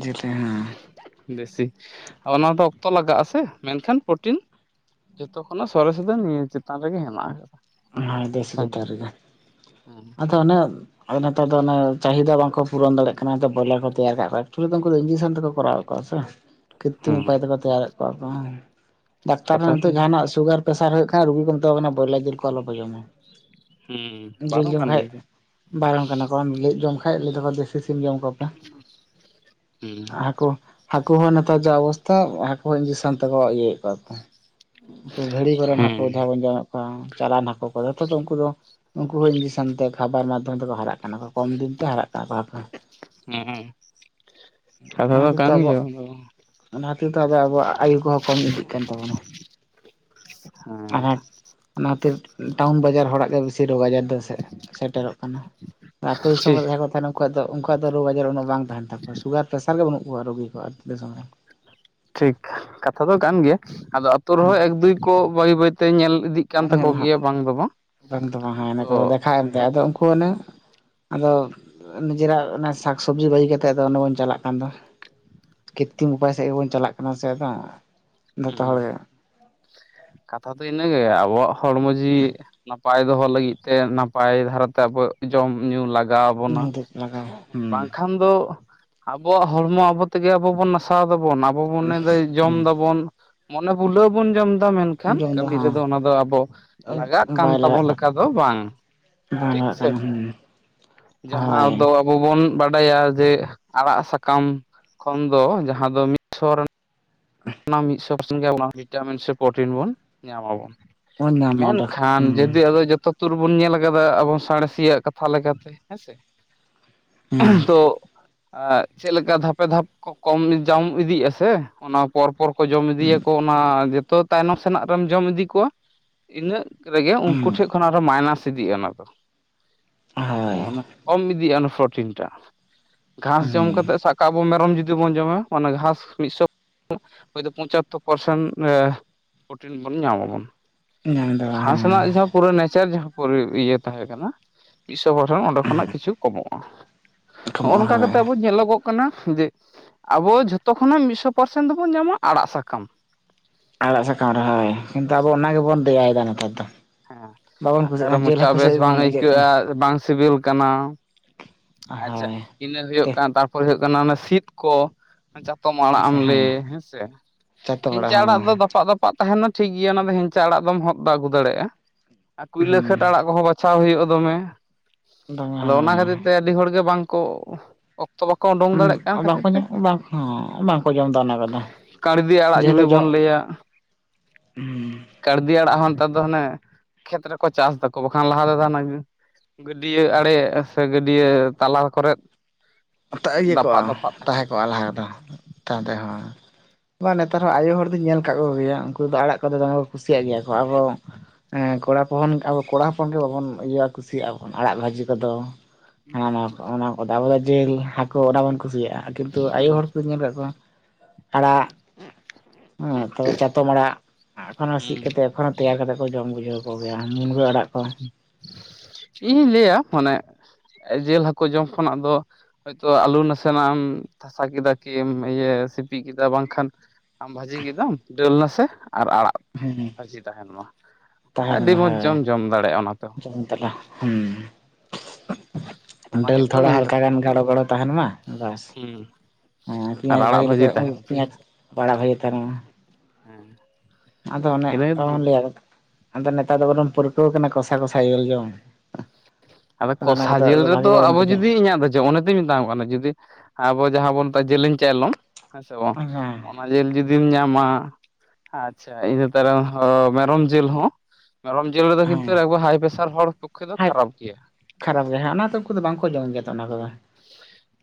ᱡᱮᱛᱮ ᱦᱚᱸ ᱫᱮᱥᱤ ᱚᱱᱟ ᱫᱚ ᱚᱠᱛᱚ ᱞᱟᱜᱟᱜᱼᱟᱥᱮ ᱢᱮᱱᱠᱷᱟᱱ ᱯᱨᱚᱴᱤᱱ ᱡᱚᱛᱚ ᱠᱷᱚᱱᱟᱜ ᱥᱚᱨᱮᱥ ᱫᱚ ᱱᱤᱭᱟᱹ ᱪᱮᱛᱟᱱ ᱨᱮᱜᱮ ᱦᱮᱱᱟᱜᱼᱟ ᱦᱮᱸ ᱫᱮᱥᱤ ᱪᱮᱛᱟᱱ ᱨᱮᱜᱮ ᱦᱮᱸ ᱟᱫᱚ ᱚ ᱚᱱᱮ ᱟᱨ ᱱᱮᱛᱟᱨ ᱫᱚ ᱚᱱᱮ ᱪᱟᱦᱤᱫᱟ ᱵᱟᱝᱠᱚ ᱯᱩᱨᱚᱱ ᱫᱟᱲᱮᱭᱟᱜ ᱠᱟᱱᱟ ᱵᱚᱭᱞᱟᱨ ᱠᱚ ᱛᱮᱭᱟᱨ ᱠᱟᱜ ᱠᱚᱣᱟ ᱮᱠᱪᱩᱞᱤ ᱩᱱᱠᱩ ᱤᱧᱡᱮᱠᱥᱮᱱ ᱛᱮᱠᱚ ᱠᱚᱨᱟᱣᱮᱫ ᱠᱚᱣᱟ ᱥᱮ ᱠᱤᱨᱛᱤᱢ ᱦᱮᱸ ᱩᱯᱟᱭ ᱛᱮᱠᱚ ᱛᱮᱭᱟᱨᱮᱫ ᱠᱚᱣᱟ ᱠᱚ ᱦᱮᱸ ᱰᱟᱠᱛᱟᱨ ᱦᱚᱸ ᱠᱟᱛᱷᱟ ᱫᱚ ᱱᱤᱛᱚᱜ ᱡᱟᱦᱟᱱᱟᱜ ᱥᱩᱜᱟᱨ ᱯᱮᱥᱟᱨ ᱦᱩᱭᱩᱜᱠᱟᱱ ᱨᱩᱜᱤ ᱠᱚ ᱢᱮᱛᱟᱠᱚᱠᱟᱱᱟ ᱵᱚᱭᱞᱟᱨ ᱡᱤᱼᱼ ᱞ ᱠᱚ ᱟᱞᱚᱯᱮ ᱡᱚᱢᱟ ᱦᱮᱸ ᱡᱤᱞ ᱵᱟᱨᱚᱱ ᱡᱚᱢ ᱠᱟᱱ ᱠᱷᱟᱡ ᱜᱮᱭᱟ ᱠᱚ ᱵᱟᱨᱚᱱ ᱠᱟᱱᱟ ᱠᱚ ᱞᱚᱞᱮᱫ ᱡᱚᱢ ᱠᱷᱟᱡ ᱞᱟᱹᱭᱮᱜ-ᱟᱠᱚ ᱫᱮᱥᱤ ᱥᱤᱢ ᱡᱚᱢ ᱠᱚᱯᱮ᱾ ᱦᱟᱠᱩ ᱦᱟᱹᱠᱩ ᱦᱚᱸ ᱱᱮᱛᱟᱨ ᱡᱟ ᱚᱵᱚᱥᱛᱦᱟ ᱦᱟᱠᱩ ᱦᱚᱸ ᱤᱧᱡᱮᱠᱥᱮᱱ ᱛᱮᱠᱚ ᱤᱭᱟᱹᱭᱮᱫ ᱠᱚᱣᱟ ᱠᱚ ᱩᱱᱠᱩ ᱜᱷᱟᱹᱲᱤ ᱠᱚᱨᱮᱱ ᱦᱮᱸ ᱦᱟᱹᱠᱩ ᱡᱟᱦᱟᱸ ᱦᱮᱸ ᱵᱚᱱ ᱡᱚᱢᱮᱫ ᱠᱚᱣᱟ ᱪᱟᱞᱟᱱ ᱦᱟᱹᱠᱩ ᱠᱚ ᱡᱮᱛᱚ ᱫᱚ ᱩᱱᱠᱩ ᱫᱚ ᱩᱱᱠᱩ ᱦᱚᱸ ᱤᱧᱡᱮᱠᱥᱮᱱ ᱛᱮ ᱠᱷᱟᱵᱟᱨ ᱢᱟᱫᱽᱫᱷᱚᱢ ᱛᱮᱠᱚ ᱦᱟᱨᱟᱜ ᱠᱟᱱᱟ ᱠᱚ ᱠᱚᱢ ᱫᱤᱱ ᱛᱮ ᱦᱟᱨᱟᱜ ᱠᱟᱱᱟ ᱠᱚ ᱦᱟᱠᱩ ᱦᱮᱸ ᱠᱟᱛᱷᱟ ᱫᱚ ᱠᱷᱟᱹᱛᱤᱨ ᱛᱮ ᱠᱟᱱ ᱟᱵᱚ ᱜᱮᱭᱟ ᱫᱚ ᱚᱱᱟ ᱠᱷᱟᱹᱛᱤᱨ ᱛᱮ ᱟᱵᱚ ᱣᱟᱜ ᱟᱭᱩ ᱠᱚᱦᱚᱸ ᱠᱚᱢ ᱤᱫᱤᱜ ᱠᱟᱱ ᱛᱟᱵᱚᱱᱟ ᱦᱚᱸ ᱦᱮᱸ ᱟᱨ ᱚᱱᱟᱛᱮ ᱴᱟᱣᱩᱱ ᱵᱟᱡᱟᱨ ᱦᱚᱲᱟᱜ ᱜᱮ ᱵᱮᱥᱤ ᱨᱳᱜᱽ ᱟᱡᱟᱨ ᱫᱚ ᱥᱮᱴᱮᱨᱚᱜ ᱠᱟᱱᱟ ᱟᱛᱩ ᱫᱤᱥᱚᱢ ᱨᱮ ᱴᱷᱤᱠ ᱡᱟᱦᱟᱸᱭ ᱠᱚ ᱛᱟᱦᱮᱱᱟ ᱩᱱᱠᱩᱣᱟᱜ ᱫᱚ ᱩᱱᱠᱩᱣᱟᱜ ᱫᱚ ᱨᱳᱜᱽ ᱟᱡᱟᱨ ᱩᱱᱟᱹᱜ ᱵᱟᱝ ᱛᱟᱦᱮᱱ ᱛᱟᱠᱚᱣᱟ ᱥᱩᱜᱟᱨ ᱯᱮᱥᱟᱨ ᱜᱮ ᱵᱟᱹᱱᱩᱜ ᱠᱚᱣᱟ ᱨᱩᱜᱤ ᱠᱚᱣᱟᱜ. ᱟᱛᱩ ᱥᱚᱢ ᱨᱮ ᱴᱷᱤᱠ ᱠᱟᱛᱷᱟ ᱫᱚ ᱠᱟᱱ ᱜᱮᱭᱟ ᱟᱫᱚ ᱟᱹᱛᱩ ᱨᱮᱦᱚᱸ ᱮᱠ ᱫᱩᱭ ᱠᱚ ᱵᱟᱹᱭ ᱵᱟᱹᱭᱛᱮ ᱧᱮᱞ ᱤᱫᱤᱜ ᱠᱟᱱ ᱧᱮᱞ ᱛᱟᱠᱚ ᱦᱟᱸᱜ ᱜᱮᱭᱟ ᱵᱟᱝ ᱫᱚ ᱵᱟᱝ ᱵᱟᱝ ᱫᱚ ᱵᱟᱝ ᱦᱮᱸ ᱟᱫᱚ ᱱᱤᱛᱚᱜ ᱫᱚ ᱠᱚ ᱫᱮᱠᱷᱟ ᱮᱢᱛᱮ ᱟᱫᱚ ᱩᱱᱠᱩ ᱚᱱᱮᱝ ᱟᱫᱚ ᱱᱤᱡᱮᱨᱟᱜ ᱚᱱᱟ ᱥᱟᱜᱽ ᱥᱟᱡᱤ ᱵᱟᱹᱜᱤ ᱠᱟᱛᱜ ᱟᱫᱚ ᱚᱱᱰᱮ ᱵᱚᱱ ᱪᱟᱞᱟᱜ ᱠᱟᱱ ᱫᱚ ᱠᱤᱛᱛᱤᱱ ᱩᱯᱟᱭ ᱥᱮᱜ ᱜᱮᱵᱚᱱ ᱪᱟᱞᱟᱜ ᱠᱟᱱᱟ ᱥᱮᱸ ᱟᱫᱚ ᱡᱚᱛᱚ ᱦᱸ ᱦᱚᱲ ᱜᱮ ᱠᱟᱛᱷᱟ ᱫᱚ ᱤᱱᱟᱹᱜᱮ ᱟᱵᱚᱣᱟᱜ ᱦᱚᱲᱢᱚ ᱡᱤᱣᱤ ᱱᱟᱯᱟᱭ ᱫᱚᱦᱚ ᱞᱟᱹᱜᱤᱫ ᱛᱮ ᱱᱟᱯᱟᱭ ᱫᱷᱟᱨᱟᱛᱮ ᱟᱵᱚ ᱡᱚᱢ ᱧᱩ ᱞᱟᱠ ᱞᱟᱜᱟᱣ ᱵᱚᱱᱟ ᱱᱤᱨᱟᱹᱜ ᱞᱟᱜᱟᱣ ᱦᱮᱸ ᱵᱟᱝᱠᱷᱟᱱ ᱫᱚ ᱟᱵᱚᱣᱟᱜ ᱦᱚᱲᱢᱚ ᱟᱵᱚ ᱛᱮᱜᱮ ᱟᱵᱚ ᱵᱚᱱ ᱱᱟᱥᱟᱣ ᱫᱟᱵᱚᱱ ᱟᱵᱚ ᱵᱚᱱ ᱢᱚᱱᱮᱫᱟ ᱡᱚᱢ ᱦᱩᱸ ᱫᱟᱵᱚᱱ ᱢᱚᱱᱮ ᱵᱩᱞᱟᱹᱣ ᱵᱚᱱ ᱡᱚᱢ ᱮᱫᱟ ᱢᱮᱱᱠᱷ ᱠᱷᱟᱱ ᱡᱚᱢ ᱫᱚ ᱠᱟᱹᱢᱤ ᱨᱮᱫᱚ ᱦᱟᱸ ᱚᱱᱟ ᱫᱚ ᱟᱵᱚ ᱞᱟᱜᱟᱜ ᱠᱟᱱ ᱵᱟᱭ ᱛᱟᱵᱚᱱ ᱞᱟᱜᱟᱜ ᱞᱮᱠᱟ ᱫᱚ ᱵᱟᱝ ᱵᱟᱝ ᱴᱷᱤᱠ ᱞᱟᱜᱟᱜ ᱥᱮ ᱠᱟᱱᱟ ᱦᱩᱸ ᱡᱟᱦᱟᱸ ᱦᱳᱭ ᱫᱚ ᱟᱵᱚ ᱵᱚᱱ ᱵᱟᱰᱟᱭᱟ ᱡᱮ ᱟᱲᱟᱜ ᱥᱟᱠᱟᱢ ᱠᱷᱚᱱ ᱫᱚ ᱡᱟᱦᱟᱸ ᱫᱚ ᱢᱤᱫ ᱥᱚ [unintelligible] ᱚᱱᱟ ᱢᱤᱫᱥᱚ ᱯᱟᱨᱥᱮᱱ ᱜᱮ ᱵᱷᱤᱴᱟᱢᱤᱱ ᱥᱮ ᱯᱨᱚᱴᱤᱱ ᱵᱚᱱ ᱧᱟᱢᱟ ᱵᱚᱱ ᱵᱚᱱ ᱧᱟᱢᱟ ᱚᱸᱰᱮ ᱢᱮᱱᱠᱷᱟᱱ ᱦᱩᱸ ᱡᱩᱫᱤ ᱟᱫᱚ ᱡᱚᱛᱚ ᱛᱩᱨ ᱵᱚᱱ ᱧᱮᱞ ᱠᱟᱫᱟ ᱟᱵᱚ ᱥᱟᱬᱮᱥᱤᱭᱟᱜ ᱠᱟᱛᱷᱟ ᱞᱮᱠᱟᱛᱮ ᱦᱮᱸᱥᱮ ᱦᱩᱸ ᱛᱚ ᱪᱮᱫᱞᱮᱠᱟ ᱫᱷᱟᱯᱮ ᱫᱷᱟᱯ ᱠᱚ ᱠᱚᱢ ᱡᱚᱢ ᱤᱫᱤᱭᱮᱜᱼᱟ ᱥᱮ ᱚᱱᱟ ᱯᱚᱨᱯᱚᱨ ᱠᱚ ᱡᱚᱢ ᱤᱫᱤᱭᱟᱠᱚ ᱚᱱᱟ ᱡᱚᱛᱚ ᱛᱟᱭᱱᱚᱢ ᱥᱮᱱᱟᱜ ᱨᱮᱢ ᱡᱚᱢ ᱤᱫᱤ ᱠᱚᱣᱟ ᱤᱱᱟᱹᱜ ᱨᱮᱜᱮ ᱩᱱᱠᱩ ᱦᱩᱸ ᱴᱷᱮᱱ ᱠᱷᱚᱱ ᱟᱨᱚ ᱢᱟᱭᱱᱟᱥ ᱤᱫᱤᱜᱼᱟ ᱚᱱᱟ ᱦᱳᱭ ᱫᱚ ᱠᱚᱢ ᱤᱫᱤᱜ-ᱟ ᱚᱱᱟ ᱯᱨᱚᱴᱤᱱᱴᱟ ᱜᱷᱟᱸᱥ ᱡᱚᱢ ᱦᱩᱸ ᱠᱟᱛᱮᱜ ᱥᱟᱵ᱾ ᱠᱟ ᱟᱵᱚ ᱢᱮᱨᱚᱢ ᱡᱩᱫᱤ ᱵᱚᱱ ᱡᱚᱢᱟ ᱚᱱᱟ ᱜᱷᱟᱸᱥ ᱢᱤᱜᱥᱚ᱾ ᱦᱚᱭᱛᱚ ᱯᱚᱪᱟᱛᱛᱳᱨ ᱯᱟᱨᱥᱮᱱᱴ ᱮᱸ ᱯᱨᱚᱴᱤᱱ ᱵᱚᱱ ᱧᱟᱢᱟᱵᱚᱱ᱾ ᱧᱟᱢ ᱫᱚ ᱜᱷᱟᱸᱥ ᱨᱮᱱᱟᱜ ᱡᱚᱵᱽ᱾ ᱯᱩᱨᱟᱹ ᱱᱮᱪᱟᱨ ᱡᱟᱦᱟᱸ ᱯᱩᱨ ᱤᱭᱟᱹ ᱛᱟᱦᱮᱸ ᱠᱟᱱᱟ ᱢᱤᱫ ᱥᱚ ᱜᱚᱴᱟᱱ ᱚᱸᱰᱮ ᱠᱷᱚᱱᱟᱜ ᱠᱤᱪᱷᱩ ᱠᱚᱢᱚᱜ-ᱟ᱾ ᱦᱚᱸᱜ-ᱚ ᱠᱚᱢᱚᱜᱼᱟ ᱱᱚᱝᱠᱟ ᱦᱳᱭ ᱠᱟᱛᱮ ᱟᱵᱚ ᱧᱮᱞᱚᱜᱚᱜ ᱠᱟᱱᱟ ᱡᱮ ᱟᱵᱚ ᱡᱷᱚᱛᱚ ᱠᱷᱚᱱᱟᱜ ᱢᱤᱫ ᱥᱚ᱾ ᱯᱟᱨᱥᱮᱱ ᱫᱚᱵᱚᱱ ᱧᱟᱢᱟ ᱟᱲᱟᱜ ᱥᱟᱠᱟᱢ᱾ ᱟᱲᱟᱜ ᱥᱟᱠᱟᱢ ᱨᱮ ᱦᱳᱭ, ᱠᱤᱱᱛᱩ ᱟᱵᱚ ᱚᱱᱟ ᱜᱮᱵᱚᱱ ᱫᱮᱭᱟᱭᱮᱫᱟ ᱱᱮᱛᱟᱨ ᱫᱚ᱾ ᱦᱮᱸ ᱵᱟᱵᱚᱱ ᱠᱩᱥᱤᱜ ᱟᱠᱟᱨᱮ ᱠᱟᱱᱟ ᱡᱤᱞ ᱢᱚᱪᱟ ᱦᱟᱹᱠᱩ ᱵᱮᱥ ᱥᱮᱫ ᱵᱟᱝ ᱜᱮᱵᱚᱱ ᱤᱭᱟᱹᱜ ᱠᱟᱱᱟ ᱟᱹᱭᱠᱟᱹᱜ-ᱟ ᱵᱟᱝ ᱥᱤᱵᱤᱞ ᱠᱟᱱᱟ᱾ ᱟᱪᱪᱷᱟ ᱦᱮᱸ᱾ ᱤᱱᱟᱹ ᱦᱩᱭᱩᱜ ᱠᱟᱱᱟ, ᱛᱟᱨᱯᱚᱨ ᱦᱩᱭᱩᱜ ᱠᱟᱱᱟ ᱚᱱᱟ ᱥᱤᱛ ᱠᱚ᱾ ᱪᱟᱛᱚᱢ ᱟᱲᱟᱜ ᱮᱢ ᱞᱟᱹᱭ ᱦᱮᱸ ᱦᱮᱸᱥᱮ, ᱡᱚᱛᱚ ᱦᱮᱸᱪᱟᱹ ᱦᱚᱲᱟᱜ ᱟᱲᱟᱜ ᱦᱚᱸ ᱫᱚ ᱫᱟᱯᱟᱜ ᱫᱟᱯ ᱯᱟᱜ ᱛᱟᱸᱦᱮᱱᱟ ᱴᱷᱤᱠ ᱜᱮᱭᱟ ᱚᱱᱟ ᱫᱚ ᱦᱮᱸᱪᱟ ᱟᱲᱟᱜ ᱫᱚᱢ ᱦᱚᱫ ᱟᱹᱜᱩ ᱫᱟᱲᱮᱭᱟᱜ-ᱟ᱾ ᱟᱨ ᱠᱩᱭᱞᱟᱹ ᱦᱩᱸ ᱠᱷᱟᱴ ᱟᱲᱟᱜ ᱠᱚᱦᱚᱸ ᱵᱟᱪᱷᱟᱣ ᱦᱩᱭᱩᱜᱼ-ᱟ ᱫᱚᱢᱮ ᱟᱫᱚ ᱚᱱᱟ ᱫᱚᱢᱮ ᱠᱷᱟᱹᱛᱤᱨ ᱛᱮ᱾ ᱟᱹᱰᱤ ᱦᱚᱲ ᱜᱮ ᱵᱟᱝᱠᱚ ᱚᱠᱛᱚ ᱵᱟᱠᱚ ᱩᱸᱰᱩᱝ ᱦᱩᱸ ᱚᱱᱟ ᱠᱚᱫᱚ ᱵᱟᱝ, ᱦᱮᱸ ᱵᱟᱝᱠᱚ ᱡᱚᱢᱫᱟ ᱚᱱᱟ ᱠᱚᱫᱚ᱾ ᱠᱟᱬᱵᱤ ᱟᱲᱟᱜ ᱡᱮ ᱡᱩᱫᱤ ᱦᱤᱞᱳᱜ ᱡᱚᱜ ᱵᱚᱱ ᱞᱟᱹᱭᱟ, ᱠᱟᱬᱵᱤ ᱟᱲᱟᱜ ᱦᱚᱸ ᱱᱮᱛᱟᱨ ᱫᱚ ᱦᱟᱱᱮ ᱠᱷᱮᱛ ᱨᱮᱠᱚ ᱪᱟᱥᱫᱟᱠᱚ ᱵᱟᱠᱷᱟᱱ ᱞᱟᱦᱟ ᱛᱮᱫᱚ ᱚᱱᱟᱜᱮ᱾ ᱜᱟᱹᱰᱭᱟᱹ ᱟᱲᱮ ᱥᱮ ᱜᱟᱹᱰᱭᱟᱹ ᱛᱟᱞᱟ ᱠᱚᱨᱮᱫ᱾ ᱚᱛᱟ ᱤᱭᱟᱹ ᱫᱟᱯᱟᱜ ᱠᱚᱜ-ᱟ ᱫᱟᱯᱟᱜ ᱛᱟᱦᱮᱱ ᱛᱟᱦᱮᱸ ᱠᱚᱜ-ᱟ ᱛᱟᱦᱮᱸᱫ ᱞᱟᱦᱟ ᱫᱚ ᱛᱟᱭᱚᱢ ᱛᱮᱦᱚᱸ᱾ ᱵᱟ ᱱᱮᱛᱟᱨ ᱦᱚᱸ ᱟᱭᱳ ᱦᱚᱲ ᱫᱚᱧ ᱧᱮᱞ ᱟᱠᱟᱫ ᱠᱚᱜᱮᱭᱟ ᱩᱝᱠᱩ ᱫᱚ ᱟᱲᱟᱜ ᱠᱚᱫᱚ ᱫᱚᱢᱮ ᱠᱚ ᱠᱩᱥᱤᱭᱟᱜ ᱜᱮᱭᱟ ᱠᱚ ᱟᱵᱚ᱾ ᱦᱮᱸ ᱠᱚᱲᱟ ᱦᱚᱯᱚᱱ ᱟᱵᱚ ᱠᱚᱲᱟ ᱦᱚᱯᱚᱱ ᱜᱮ ᱵᱟᱵᱚᱱ ᱤᱭᱟᱹ ᱠᱩᱥᱤᱭᱟᱜ-ᱟ ᱵᱚᱱ ᱟᱲᱟᱜ ᱵᱷᱟᱹᱡᱤ ᱠᱚᱫᱚ᱾ ᱦᱮᱸ ᱚᱱᱟ ᱠᱚ, ᱚᱱᱟ ᱠᱚ ᱫᱚ ᱟᱵᱚ ᱡᱤᱞ ᱦᱟᱹᱠᱩ ᱚᱱᱟ ᱵᱚᱱ ᱠᱩᱥᱤᱭᱟᱜ-ᱟ ᱠᱤᱱᱛᱩ ᱟᱭᱳ ᱦᱩᱸ ᱦᱚᱲ ᱠᱚᱧ ᱧᱮᱞ ᱠᱟᱫ ᱠᱚᱣᱟ ᱟᱲᱟᱜ᱾ ᱦᱮᱸ, ᱛᱚ ᱪᱟᱛᱚᱢ ᱟᱲᱟᱜ ᱮᱠᱷᱚᱱᱚ ᱥᱤᱜ ᱦᱩᱸ ᱠᱟᱛᱮᱜ ᱮᱠᱷᱚᱱ ᱛᱮᱭᱟᱨ ᱠᱟᱛᱮᱫ ᱠᱚ ᱡᱚᱢ ᱵᱩᱡᱷᱟᱹᱣ ᱠᱚᱜᱮᱭᱟ ᱢᱩᱱᱜᱟᱹ ᱟᱲᱟᱜ ᱠᱚ᱾ ᱤᱧᱤᱧ ᱞᱟᱹᱭᱟ ᱢᱟᱱᱮ ᱡᱤᱞ ᱦᱟᱹᱠᱩ ᱡᱚᱢ ᱠᱷᱚᱱᱟᱜ ᱫᱚ᱾ ᱦᱚᱳᱭᱛᱳ ᱟᱹᱞᱩ ᱱᱟᱥᱮᱱᱟᱜ ᱮᱢ ᱛᱷᱟᱥᱟ ᱠᱮᱫᱟ ᱠᱤᱢ ᱤᱭᱟᱹ ᱥᱤᱯᱤ ᱠᱮᱫᱟ ᱵᱟᱝᱠᱷᱟᱱ ᱟᱢ ᱵᱷᱟᱹᱡᱤ ᱠᱮᱫᱟᱢ ᱫᱟᱹᱞ ᱨᱟᱥᱮ ᱟᱨ ᱟᱲᱟᱜ ᱦᱮᱸ ᱵᱷᱟᱹᱡᱤ ᱛᱟᱸᱦᱮᱱ ᱢᱟ, ᱛᱟᱦᱮᱱ ᱟᱹᱰᱤ ᱢᱚᱡᱽ ᱡᱚᱢ ᱫᱟᱲᱮᱭᱟᱜ-ᱟ ᱚᱱᱟ ᱛᱮᱦᱚᱸ᱾ ᱠᱟᱫᱟ ᱦᱩᱸ᱾ ᱚᱱᱟ ᱫᱟᱹᱞ ᱦᱩᱭᱩᱜ ᱠᱚ ᱛᱷᱚᱲᱟ ᱢᱮᱱ ᱦᱟᱞᱠᱟ ᱠᱟᱛᱷᱟ ᱜᱟᱱ ᱜᱟᱲᱚ ᱜᱟᱲᱚ ᱛᱟᱸᱦᱮᱱ ᱢᱟ ᱵᱟᱥ᱾ ᱦᱮᱸ ᱦᱮᱸ ᱟᱨ ᱯᱮᱸᱭᱟᱡᱽ ᱵᱷᱟᱜᱮ ᱟᱲᱟᱜ ᱵᱷᱟᱹᱡᱤ ᱞᱮᱠᱟᱱ ᱛᱟᱦᱮᱱᱟ ᱥᱮ ᱯᱮᱸᱭᱟᱡ ᱵᱟᱲᱟ ᱵᱷᱟᱜᱮ ᱛᱟᱨᱟ [inaudible] ᱦᱮᱸ᱾ ᱟᱫᱚ ᱚᱱᱮ ᱤᱱᱟᱹ ᱟᱞᱚᱢ ᱞᱟᱹᱭᱟ᱾ ᱟᱫᱚ ᱱᱮᱛᱟᱨ ᱫᱚ ᱵᱚᱨᱚᱢ ᱯᱚᱨᱠᱟᱹᱣ ᱠᱟᱱᱟ ᱠᱚᱥᱟ ᱠᱚᱥᱟ ᱡᱮᱞ ᱡᱚᱢ᱾ ᱟᱫᱚ ᱚᱱᱟ ᱠᱚᱥᱟ ᱠᱟᱛᱮ ᱡᱤᱞ ᱵᱷᱟᱜᱤ ᱨᱮᱛᱚ ᱵᱟᱵᱚᱱ ᱟᱵᱚ ᱵᱩᱡᱟ ᱡᱩᱫᱤ ᱤᱧᱟᱹᱜ ᱫᱚ ᱡᱮ ᱛᱮᱤᱧ ᱢᱮᱛᱟᱢ ᱠᱟᱱᱟ ᱡᱩᱫᱤ ᱟᱵᱚ ᱡᱟᱦᱟᱸ ᱵᱚᱱ ᱢᱮᱛᱟᱜᱼᱟ ᱡᱮᱞᱮᱧ ᱪᱟᱭᱞᱚᱢ᱾ ᱦᱮᱸᱥᱮ ᱵᱟᱝ? ᱦᱮᱸ ᱦᱮᱸ ᱚᱱᱟ ᱡᱤᱞ ᱡᱩᱫᱤᱢ ᱧᱟᱢᱟ ᱟᱪᱪᱷᱟ ᱤᱱᱟᱹ ᱛᱟᱭᱚᱢ ᱦᱚᱸ ᱢᱮᱨᱚᱢ ᱡᱤᱞ ᱦᱚᱸ ᱢᱮᱨᱚᱢ ᱡᱤᱞ ᱨᱮᱫᱚ ᱠᱤᱱᱛᱩ ᱮᱠ ᱦᱟᱭ ᱯᱮᱥᱟᱨ ᱦᱚᱲ ᱯᱚᱠᱠᱷᱮ ᱫᱚ ᱦᱮᱸ ᱠᱷᱟᱨᱟᱯ ᱩ ᱠᱷᱟᱨᱟᱯ ᱜᱮ ᱦᱮᱸ ᱚᱱᱟ ᱫᱚ ᱩᱱᱠᱩ ᱫᱚ ᱵᱟᱝᱠᱚ ᱡᱚᱢ ᱜᱮᱭᱟ ᱛᱚ ᱚᱱᱟ ᱠᱚᱫᱚ ᱦᱩᱸ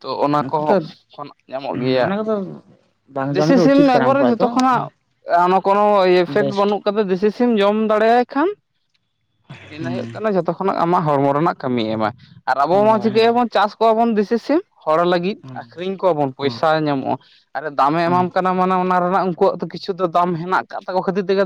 ᱛᱚ ᱚᱱᱟ ᱩᱱᱠᱩ ᱠᱚ ᱫᱚ ᱠᱷᱟᱱ ᱧᱟᱢᱚᱜ ᱜᱮᱭᱟ ᱚᱱᱟ ᱠᱚᱫᱚ ᱵᱟᱝ ᱡᱚᱢ ᱫᱮᱥᱤ ᱜᱮ ᱥᱤᱢ ᱩᱪᱤᱛ ᱠᱟᱱᱟ ᱮᱠᱵᱟᱨ ᱩᱱᱠᱩᱣᱟᱜ ᱡᱚᱛᱚ ᱫᱚ ᱠᱷᱚᱱᱟᱜ [inaudible] ᱠᱚᱱᱚ ᱮᱯᱷᱮᱠᱴ ᱵᱮᱥᱴ ᱵᱟᱹᱱᱩᱜ ᱫᱮᱥᱤ ᱥᱤᱢ ᱡᱚᱢ ᱫᱟᱲᱮᱭᱟᱭ ᱠᱷᱟᱱ ᱤᱱᱟᱹ ᱦᱩᱸ ᱦᱩᱭᱩᱜ ᱠᱟᱱᱟ ᱡᱚᱛᱚ ᱠᱷᱚᱱᱟᱜ ᱟᱢᱟᱜ ᱦᱚᱲᱢᱚ ᱨᱮᱱᱟᱜ ᱠᱟᱹᱢᱤᱭ ᱮᱢᱟᱭ ᱟᱨ ᱟᱵᱚ ᱦᱮᱸ ᱢᱟ ᱪᱤᱠᱟᱹᱭᱟᱵᱚᱱ ᱪᱟᱥ ᱠᱚᱣᱟ ᱵᱚᱱ ᱫᱤᱥ ᱥᱤᱢ ᱦᱚᱲ ᱞᱟᱹᱜᱤᱫ᱾ ᱦᱮᱸ ᱟᱠᱷᱨᱤᱧ ᱠᱚᱣᱟ ᱵᱚᱱ ᱦᱮᱸ ᱯᱚᱭᱥᱟ ᱧᱟᱢᱚᱜᱼᱟ ᱟᱨᱮ ᱫᱟᱢᱮ ᱮᱢᱟᱢ ᱠᱟᱱᱟ᱾ ᱢᱟᱱᱮ ᱚᱱᱟ ᱨᱮᱱᱟᱜ ᱩᱱᱠᱩᱣᱟᱜ ᱫᱚ ᱠᱤᱪᱷᱩ ᱫᱚ ᱫᱟᱢ ᱦᱮᱱᱟᱜ ᱟᱠᱟ ᱛᱟᱠᱚ ᱠᱷᱟᱹᱛᱤᱨ ᱛᱮᱜᱮ